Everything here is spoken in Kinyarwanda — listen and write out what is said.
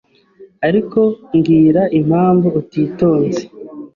Ariko mbwira impamvu utitonze